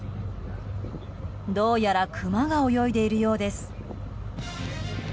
どうやらクマが泳いでいるようです。